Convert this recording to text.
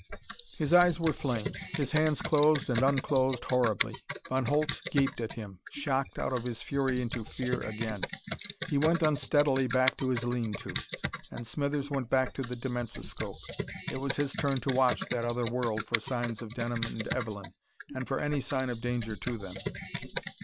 His eyes were flames. His hands closed and unclosed horribly. Von Holtz gaped at him, shocked out of his fury into fear again. He went unsteadily back to his lean to. And Smithers went back to the dimensoscope. It was his turn to watch that other world for signs of Denham and Evelyn, and for any sign of danger to them.